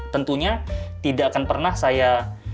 tentunya tidak akan pernah saya